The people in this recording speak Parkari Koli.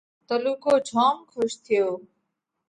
تلُوڪو جوم کُش ٿيو۔